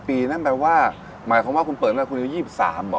๕ปีนั่นแปลว่าหมายคำว่าคุณเปิดแล้วคุณอยู่๒๓หรอ